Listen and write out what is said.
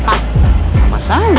aku dapet kanak kanak